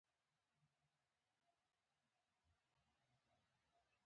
دا وطن به جوړیږي.